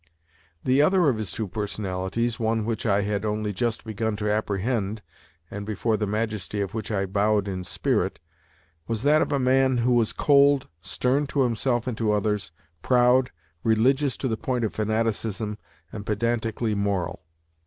The other of his two personalities one which I had only just begun to apprehend, and before the majesty of which I bowed in spirit was that of a man who was cold, stern to himself and to others, proud, religious to the point of fanaticism, and pedantically moral.